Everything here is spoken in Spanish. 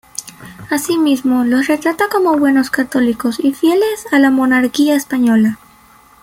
Asimismo, los retrata como buenos católicos y fieles a la monarquía española.